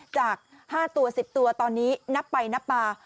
จาก๕ตัว๑๐ตัวตอนนี้นับไปนับมา